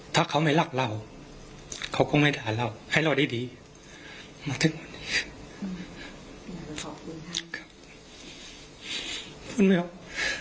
ถ้าเขาไม่รักเราเขาคงไม่ด่าเราให้เราได้ดีมาถึงวันนี้อืมขอบคุณครับ